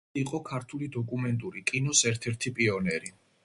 ესაძე იყო ქართული დოკუმენტური კინოს ერთ-ერთი პიონერი.